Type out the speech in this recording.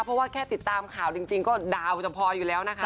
เพราะว่าแค่ติดตามข่าวจริงก็ดาวจะพออยู่แล้วนะคะ